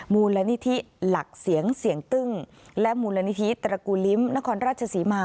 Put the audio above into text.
มูลนิธิหลักเสียงเสียงตึ้งและมูลนิธิตระกูลิ้มนครราชศรีมา